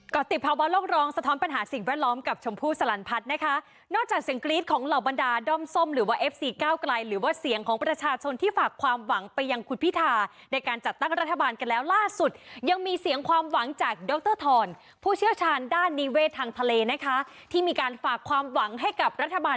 ก็ติดภาวะโลกรองสะท้อนปัญหาสิ่งแวดล้อมกับชมพู่สลันพัฒน์นะคะนอกจากเสียงกรี๊ดของเหล่าบรรดาด้อมส้มหรือว่าเอฟซีก้าวไกลหรือว่าเสียงของประชาชนที่ฝากความหวังไปยังคุณพิธาในการจัดตั้งรัฐบาลกันแล้วล่าสุดยังมีเสียงความหวังจากดรทรผู้เชี่ยวชาญด้านนิเวศทางทะเลนะคะที่มีการฝากความหวังให้กับรัฐบาล